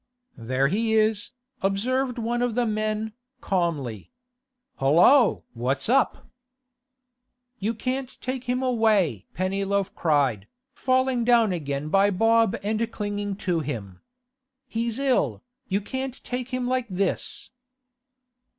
'There he is,' observed one of the men, calmly. 'Hollo! what's up?' 'You can't take him away!' Pennyloaf cried, falling down again by Bob and clinging to him. 'He's ill. You can't take him like this!